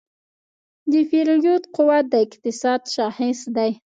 د پیرود قوت د اقتصاد شاخص دی.